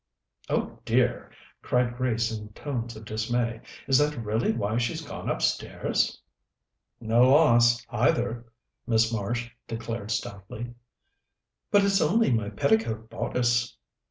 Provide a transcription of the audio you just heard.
"Oh dear!" cried Grace in tones of dismay. "Is that really why she's gone upstairs?" "No loss, either," Miss Marsh declared stoutly. "But it's only my petticoat bodice."